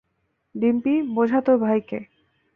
ডিম্পি, বোঝা তোর ভাইকে।